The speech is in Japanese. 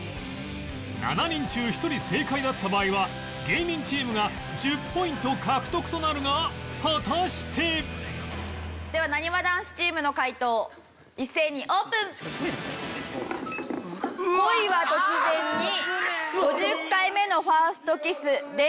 ７人中１人正解だった場合は芸人チームが１０ポイント獲得となるが果たしてではなにわ男子チームの解答一斉にオープン！という答えで「電車男」が２人。